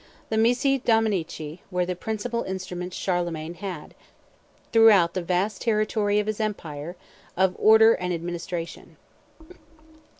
The missi dominici were the principal instruments Charlemagne had, throughout the vast territory of his empire, of order and administration.